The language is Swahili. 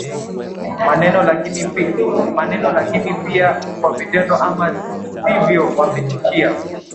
maneno lakini pia kwa vitendo Ama sivyo wametishia